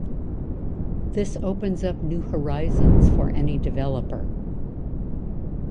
This opens up new horizons for any developer.